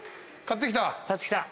買ってきた。